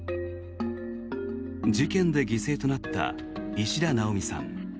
事件で犠牲となった石田奈央美さん。